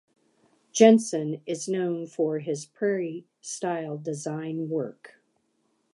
Jensen is known for his prairie style design work.